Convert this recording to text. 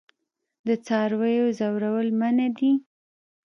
د څارویو ځورول منع دي.